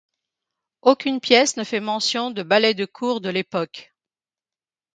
Aucune pièce ne fait mention de ballets de cour de l’époque.